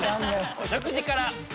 お食事から。